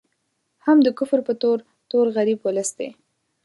هم د کفر په تور، تور غریب ولس دی